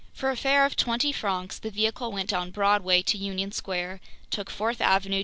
For a fare of twenty francs, the vehicle went down Broadway to Union Square, took Fourth Ave.